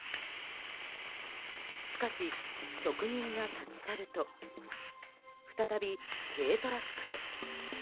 しかし、職人が立ち去ると再び軽トラックへ。